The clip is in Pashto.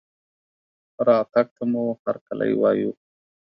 رتګ ته مو هرکلى وايو